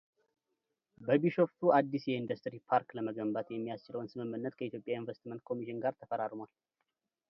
በቢሾፍቱ አዲስ የኢንዱስትሪ ፓርክ ለመገንባት የሚያስችለውን ስምምነት ከኢትዮጵያ ኢንቨስትመንት ኮሚሽን ጋር ተፈራርሟል።